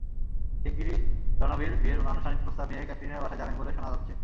শিগগিরই রণবীর বিয়ের আনুষ্ঠানিক প্রস্তাব নিয়ে ক্যাটরিনার বাসায় যাবেন বলে শোনা যাচ্ছে।